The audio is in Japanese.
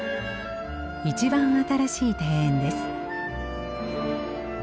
一番新しい庭園です。